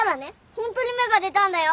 ホントに芽が出たんだよ。